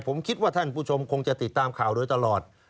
ผมคิดว่าท่านผู้ชมคงจะติดตามข่าวโดยตลอด